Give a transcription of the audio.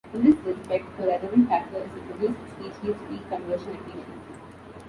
In this respect, a relevant factor is the produced species' feed conversion efficiency.